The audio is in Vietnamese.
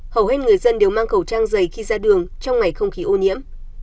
hầu hết người dân đều mang khẩu trang dày khi ra đường trong ngày không khí ô nhiễm